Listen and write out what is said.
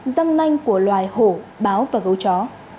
răng nanh của loài hổ báo và gấu chó